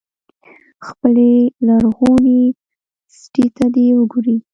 خپلې لرغونې سټې ته دې وګوري.